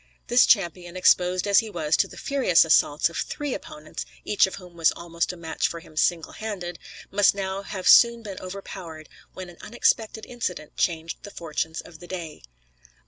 This champion, exposed as he was to the furious assaults of three opponents each of whom was almost a match for him single handed, must now have soon been overpowered when an unexpected incident changed the fortunes of the day.